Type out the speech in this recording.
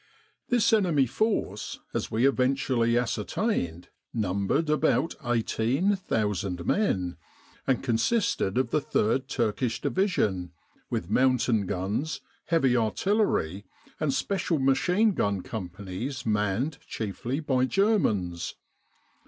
This enemy force, as we eventually ascertained, numbered about 18,000 men, and consisted of the Third Turkish Division, with mountain guns, heavy artillery, and special machine gun companies manned chiefly by Germans.